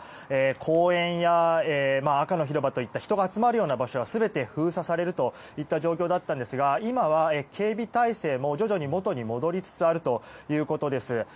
公園や赤の広場といった人が集まるような場所は全て封鎖されるといった状況だったんですが今は警備態勢も徐々に元に戻りつつあるということです。